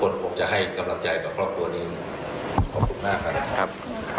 สวัสดีครับ